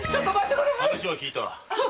話は聞いた。